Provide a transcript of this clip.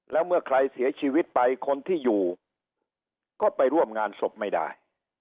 แล้วเมื่อใครเสียชีวิตไปคนที่อยู่ก็ไปร่วมงานศพไม่ได้